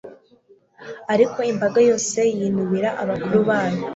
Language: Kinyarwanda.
ariko imbaga yose yinubira abakuru bayo